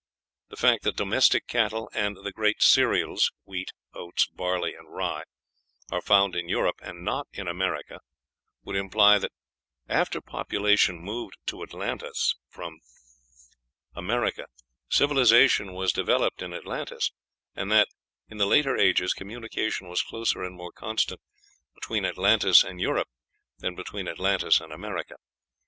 The fact that domestic cattle and the great cereals, wheat, oats, barley, and rye, are found in Europe and not in America, would imply that after the population moved to Atlantis from America civilization was developed in Atlantis, and that in the later ages communication was closer and more constant between Atlantis and Europe than between Atlantis and America.